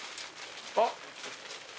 あっ。